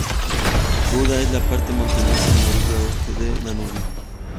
Buda es la parte montañosa en la orilla oeste del Danubio.